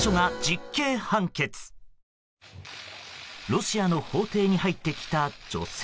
ロシアの法廷に入ってきた女性。